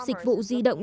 dịch vụ di động